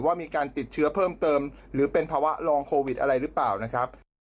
ว่ามีการติดเชื้อเพิ่มเติมหรือเป็นภาวะรองโควิดอะไรหรือเปล่านะครับ